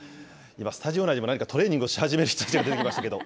今、スタジオ内でもなんか、トレーニングをし始める人たちが出てきましたけど。